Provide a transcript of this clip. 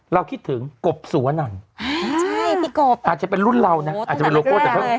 เราคิดถึงกบสุวนั่นอาจจะเป็นรุ่นเราอาจจะเป็นโลโก้แต่ก็๒๕๐๐บาท